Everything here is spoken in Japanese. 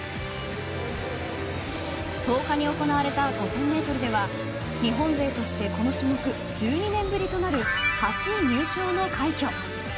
１０日に行われた５０００ｍでは日本勢としてこの種目１２年ぶりとなる８位入賞の快挙。